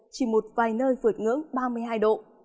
chỉ một vài nơi vượt ngưỡng ba mươi hai độ